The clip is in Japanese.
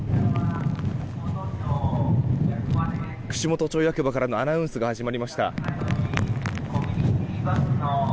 串本町役場からのアナウンスが始まりました。